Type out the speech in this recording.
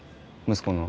息子の。